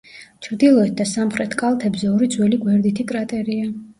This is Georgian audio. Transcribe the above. ჩრდილოეთ და სამხრეთ კალთებზე ორი ძველი გვერდითი კრატერია.